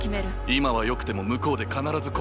今はよくても向こうで必ず後悔する。